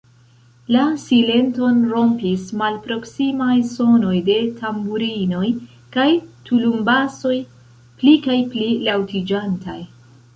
La silenton rompis malproksimaj sonoj de tamburinoj kaj tulumbasoj, pli kaj pli laŭtiĝantaj.